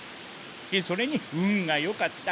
それに運がよかった。